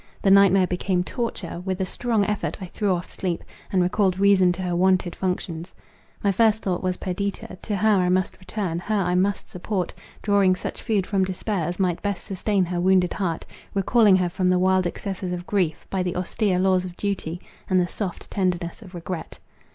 The night mare became torture; with a strong effort I threw off sleep, and recalled reason to her wonted functions. My first thought was Perdita; to her I must return; her I must support, drawing such food from despair as might best sustain her wounded heart; recalling her from the wild excesses of grief, by the austere laws of duty, and the soft tenderness of regret.